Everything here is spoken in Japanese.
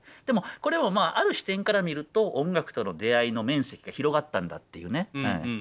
でもこれもまあある視点から見ると音楽との出会いの面積が広がったんだっていうね。